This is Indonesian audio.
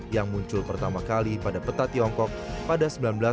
yang muncul pertama kali pada peta tiongkok pada seribu sembilan ratus sembilan puluh